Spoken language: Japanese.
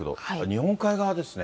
日本海側ですね。